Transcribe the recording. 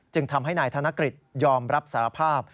ทำให้นายธนกฤษยอมรับสารภาพ